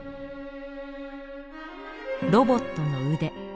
ロボットの腕。